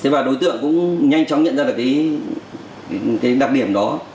và đối tượng cũng nhanh chóng nhận ra được cái đặc điểm đó